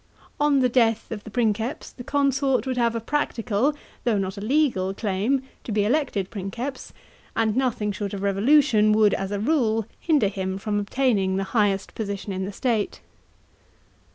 On the death of the Princeps, the consort would have a practical, though not a legal claim, to be elected Princeps, and nothing short of revolution would, as a rule, hinder him from obtaining the highest position in the state.